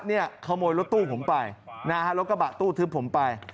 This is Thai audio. เขามีรถตู้ผมไปรถกระบะตู้ทึบผมไป